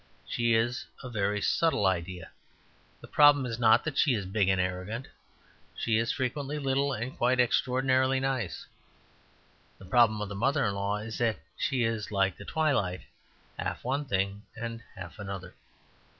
She is a very subtle idea. The problem is not that she is big and arrogant; she is frequently little and quite extraordinarily nice. The problem of the mother in law is that she is like the twilight: half one thing and half another.